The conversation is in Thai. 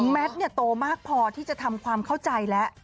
แมทโตมากพอที่จะทำความเข้าใจแล้ว